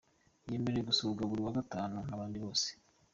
Yemerewe gusurwa buri wa Gatanu nk’abandi bose.